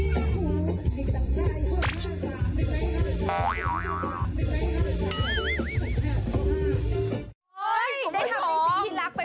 กุมมันเท่าที่จะจัดเสร้า